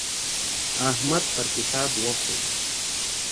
احمد پر کتاب وخوت.